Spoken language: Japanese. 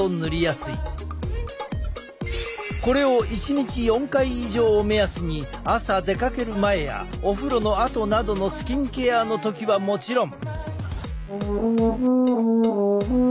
これを１日４回以上を目安に朝出かける前やお風呂のあとなどのスキンケアの時はもちろん。